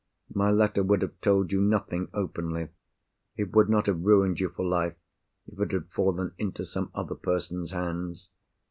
My letter would have told you nothing openly. It would not have ruined you for life, if it had fallen into some other person's hands.